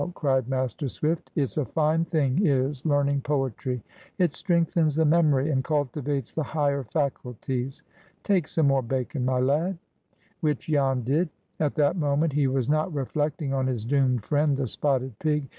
cried Master Swift. "It's a fine thing, is learning poetry. It strengthens the memory, and cultivates the higher faculties. Take some more bacon, my lad." Which Jan did. At that moment he was not reflecting on his doomed friend, the spotted pig.